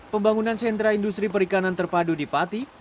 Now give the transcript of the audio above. pembangunan sentra industri perikanan terpadu di pati